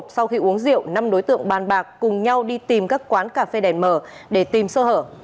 sau khi uống rượu năm đối tượng bàn bạc cùng nhau đi tìm các quán cà phê đèn mờ để tìm sơ hở